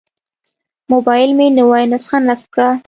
موبایل مې نوې نسخه نصب کړه.